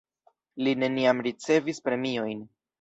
Li neniam ricevis premiojn.